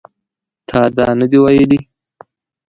تا دا نه دي ویلي